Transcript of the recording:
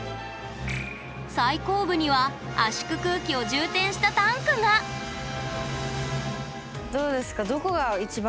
最後部には圧縮空気を充填したタンクがどうですか？